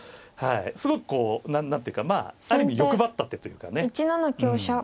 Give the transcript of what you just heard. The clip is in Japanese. すごくこう何ていうかある意味欲張った手というかね。